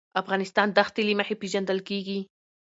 افغانستان د ښتې له مخې پېژندل کېږي.